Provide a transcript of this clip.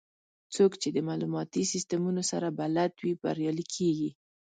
څوک چې د معلوماتي سیستمونو سره بلد وي، بریالي کېږي.